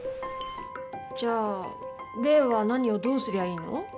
じゃあ怜は何をどうすりゃいいの？